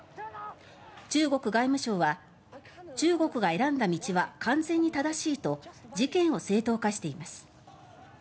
中国外務省は中国が選んだ道は完全に正しいと事件を正当化しています。